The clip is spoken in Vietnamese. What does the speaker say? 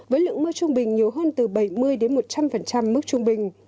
với lượng mưa trung bình nhiều hơn từ bảy mươi một trăm linh mức trung bình